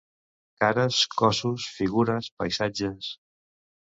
Cares, cossos, figures, paisatges...